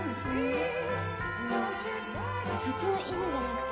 そっちの「いず」じゃなくて。